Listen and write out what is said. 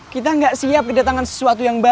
kita gak siap kedatangan sesuatu yang banyak